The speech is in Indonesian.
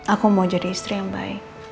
aku mau jadi istri yang baik